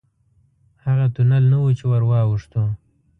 هغه تونل نه و چې ورواوښتو.